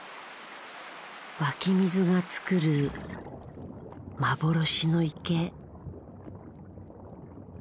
湧き水が作る幻の池。